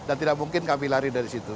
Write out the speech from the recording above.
dan tidak mungkin kami lari dari situ